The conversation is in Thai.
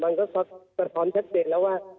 มันก็สะท้อนชัดเจนแล้วว่า